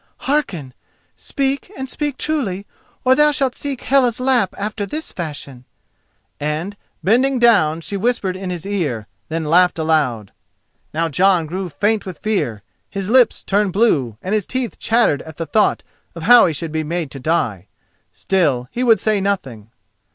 Hearken: speak, and speak truly, or thou shalt seek Hela's lap after this fashion," and, bending down, she whispered in his ear, then laughed aloud. Now Jon grew faint with fear; his lips turned blue, and his teeth chattered at the thought of how he should be made to die. Still, he would say nothing.